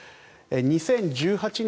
２０１８年